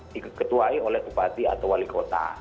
diketuai oleh bupati atau wali kota